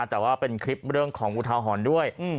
แต่ว่าเป็นคลิปเรื่องของอุทาหรณ์ด้วย